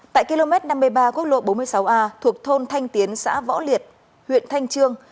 tại km năm mươi ba quốc lộ bốn mươi sáu a thuộc thôn thanh tiến xã võ liệt huyện thanh trương